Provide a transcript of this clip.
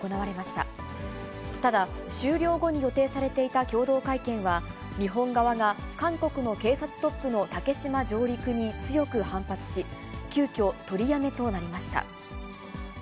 ただ、終了後に予定されていた共同会見は、日本側が韓国の警察トップの竹島上陸に強く反発し、急きょ取りやめとなりました。